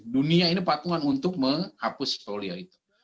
dunia ini patungan untuk menghapus portfolio itu